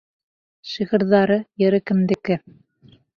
Шиғырҙары, йыры кемдеке?